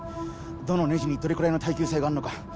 どのネジにどれくらいの耐久性があるのか